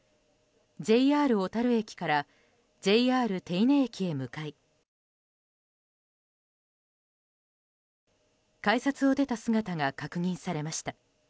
ＪＲ小樽駅からＪＲ手稲駅へ向かい改札を出た姿が確認されました。